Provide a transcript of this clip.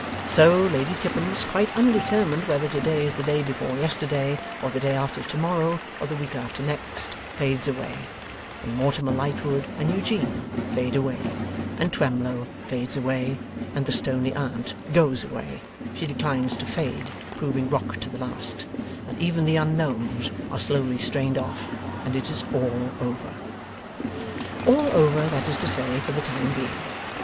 And so, Lady Tippins, quite undetermined whether today is the day before yesterday, or the day after to morrow, or the week after next, fades away; and Mortimer Lightwood and Eugene fade away, and Twemlow fades away, and the stoney aunt goes away she declines to fade, proving rock to the last and even the unknowns are slowly strained off, and it is all over. All over, that is to say, for the time being.